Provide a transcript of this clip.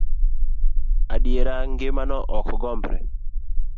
Adiera ngima no ok gombre.